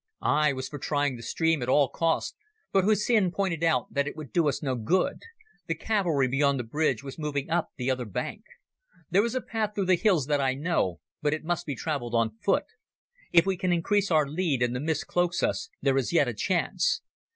I was for trying the stream at all costs, but Hussin pointed out that it would do us no good. The cavalry beyond the bridge was moving up the other bank. "There is a path through the hills that I know, but it must be travelled on foot. If we can increase our lead and the mist cloaks us, there is yet a chance."